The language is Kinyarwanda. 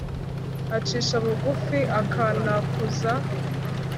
acisha bugufi, akanakuza